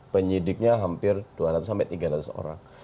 penyidiknya hampir dua ratus sampai tiga ratus orang